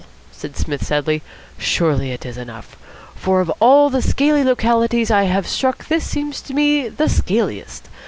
said Psmith sadly. "Surely it is enough. For of all the scaly localities I have struck this seems to me the scaliest.